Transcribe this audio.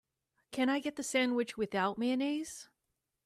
Can I get the sandwich without mayonnaise?